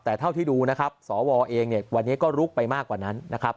แต่เท่าที่ดูนะครับสวเองเนี่ยวันนี้ก็ลุกไปมากกว่านั้นนะครับ